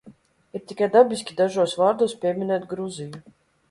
Ir tikai dabiski dažos vārdos pieminēt Gruziju.